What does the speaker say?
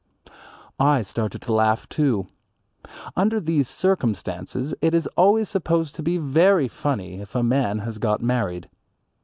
I started to laugh, too. Under these circumstances it is always supposed to be very funny if a man has got married.